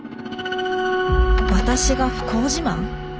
私が不幸自慢？